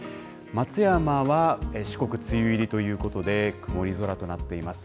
松山は、四国梅雨入りということで、曇り空となっています。